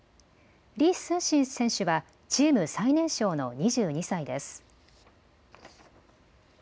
李承信選手はチーム最年少の２２歳です。